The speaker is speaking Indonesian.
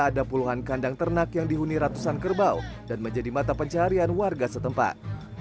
ada puluhan kandang ternak yang dihuni ratusan kerbau dan menjadi mata pencarian warga setempat